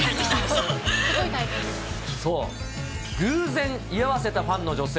そう、偶然居合わせたファンの女性。